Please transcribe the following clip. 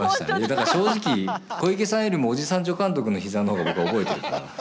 だから正直小池さんよりもおじさん助監督の膝の方が僕は覚えてるかな。